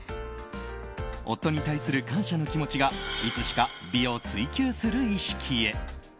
夫に対する感謝の気持ちがいつしか美を追求する意識へ。